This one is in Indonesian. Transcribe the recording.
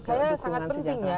ya menurut saya sangat penting ya